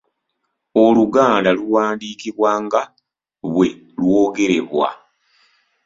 Oluganda luwandiikibwa nga bwe lwogerebwa.